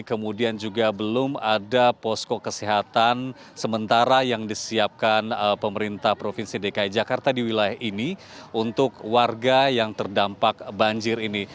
kemudian juga belum ada posko kesehatan sementara yang disiapkan pemerintah provinsi dki jakarta di wilayah ini untuk warga yang terdampak banjir ini